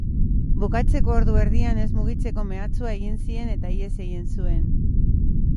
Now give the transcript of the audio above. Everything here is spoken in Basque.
Bukatzeko ordu erdian ez mugitzeko mehatxua egin zien eta ihes egin zuen.